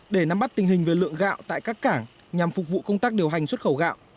để nắm bắt tình hình về lượng gạo tại các cảng nhằm phục vụ công tác điều hành xuất khẩu gạo